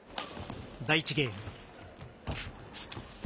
第１ゲーム。